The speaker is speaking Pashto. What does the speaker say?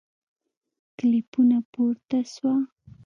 کلیپونه پورته سوه